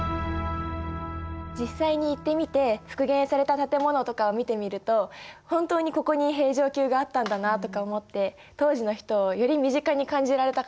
実際に行ってみて復元された建物とかを見てみると本当にここに平城宮があったんだなとか思って当時の人をより身近に感じられたかな。